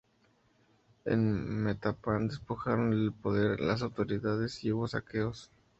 En Metapán despojaron del poder a las autoridades y hubo saqueos.